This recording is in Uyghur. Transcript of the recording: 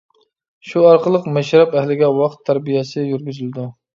شۇ ئارقىلىق مەشرەپ ئەھلىگە ۋاقىت تەربىيەسى يۈرگۈزۈلىدۇ.